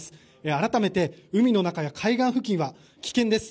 改めて海の中や海岸付近は危険です。